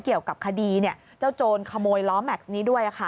เกี่ยวกับคดีเจ้าโจรขโมยล้อแม็กซ์นี้ด้วย